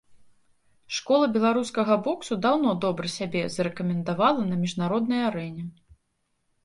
Школа беларускага боксу даўно добра сябе зарэкамендавала на міжнароднай арэне.